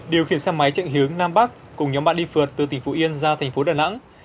điều khiển xe máy chạy hướng nam bắc cùng nhóm bạn đi phượt từ tỉnh phụ yên ra tp đà nẵng